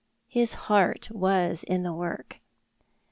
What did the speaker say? His heart was in the work.